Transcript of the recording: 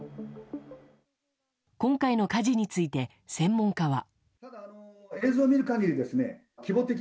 今回の火事について専門家は。